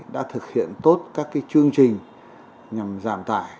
đã thực hiện tốt các chương trình nhằm giảm tải